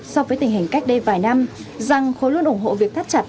so với tình hình cách đây vài năm rằng khối luôn ủng hộ việc thắt chặt